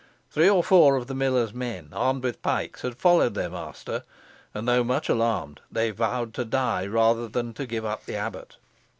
Three or four of the miller's men, armed with pikes, had followed their master, and, though much alarmed, they vowed to die rather than give up the abbot.